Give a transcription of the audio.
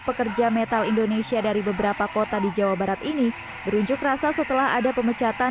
pekerja metal indonesia dari beberapa kota di jawa barat ini berunjuk rasa setelah ada pemecatan